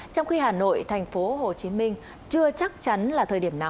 trong khi hà nội thành phố hồ chí minh chưa chắc chắn là thời điểm nào